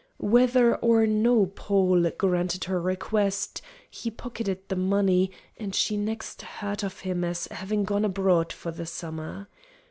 Whether or no Paul granted her request, he pocketed the money, and she next heard of him as having gone abroad for the summer.